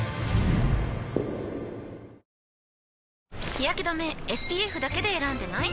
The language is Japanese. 日やけ止めＳＰＦだけで選んでない？